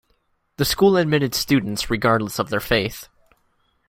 The school admitted students regardless of their faith.